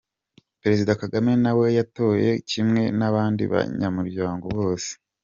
Perezida Kagame nawe yatoye kimwe n'abandi banyamuryango bose.